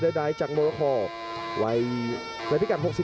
เดี๋ยวได้ยังคืนให้ขนาดครับแอคทีฟ